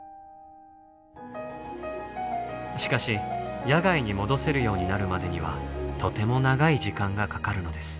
しかし野外に戻せるようになるまでにはとても長い時間がかかるのです。